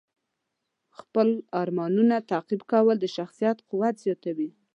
خپل ارمانونه تعقیب کول د شخصیت قوت زیاتوي.